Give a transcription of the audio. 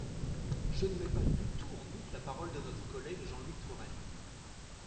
Je ne mets pas du tout en doute la parole de notre collègue Jean-Louis Touraine.